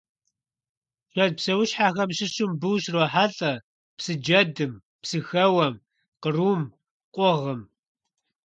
Шэд псэущхьэхэм щыщу мыбы ущрохьэлӀэ псы джэдым, псыхэуэм, кърум, къугъым.